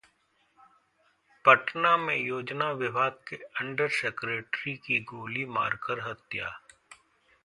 पटना में योजना विभाग के अंडर सेक्रेटरी की गोली मार कर हत्या